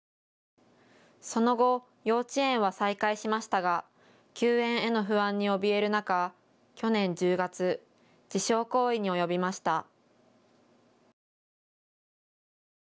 その後、幼稚園は再開しましたが休園への不安におびえる中、去年１０月、自傷行為に及びました。